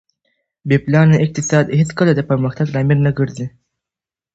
بې پلانه اقتصاد هېڅکله د پرمختګ لامل نه ګرځي.